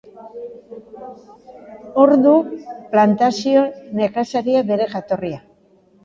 Hor du plantazio nekazaritzak bere jatorria.